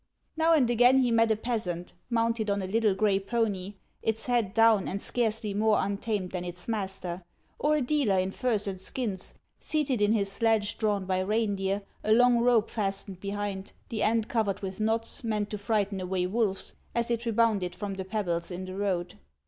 Xow and again he met a peasant mounted on a little gray pony, its head down, and scarcely more untamed than its master ; or a dealer in furs and skins, seated in his sledge, drawn by reindeer, a long rope fastened behind, the end covered with knots, meant to frighten away wolves, as it rebounded from the pebbles in the road.